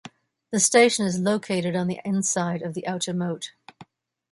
The station is located on the inside of the Outer Moat.